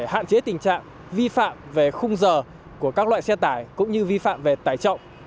hạn chế tình trạng vi phạm về khung giờ của các loại xe tải cũng như vi phạm về tải trọng